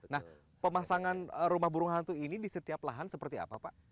nah pemasangan rumah burung hantu ini di setiap lahan seperti apa pak